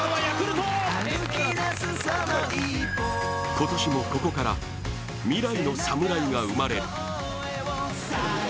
今年もここから未来のサムライが生まれる。